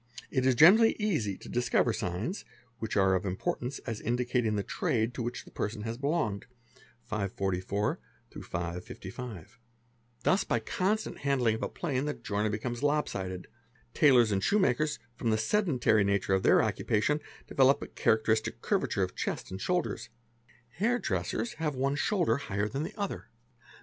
It is generally easy to dis cover signs, which are of importance as indicating the trade to which th person has belonged "#~*), Thus by constant handling of a plane, tk joiner becomes lopsided; tailors and shoe makers from the seden a nature of their occupation develope a characteristic curvature of chest ar shoulders; hairdressers have one shoulder higher than the other.